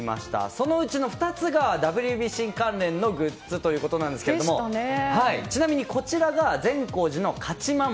そのうちの２つがＷＢＣ関連のグッズということなんですがちなみに、こちらが善光寺の勝守。